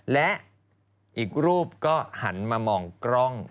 และอีกรูปก็หันมามองกล้อง